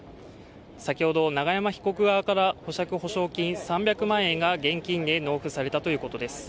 先ほど永山被告側から保釈保証金３００万円が現金で納付されたということです。